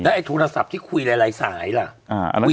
แล้วไอ้โทรนัสสับที่คุยหลายหลายสายล่ะอ่าอนั่นักสมุทร